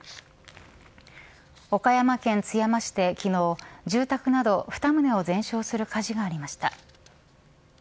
岡山県津山市で昨日住宅など２棟を全焼する火事がありました。